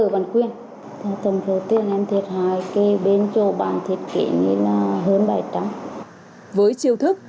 với chiêu thức